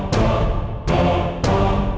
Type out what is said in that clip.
ya aku mau makan